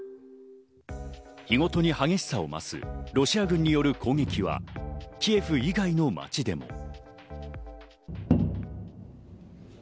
日ごとに激しさを増す、ロシア軍による攻撃はキエフ以外の街でも。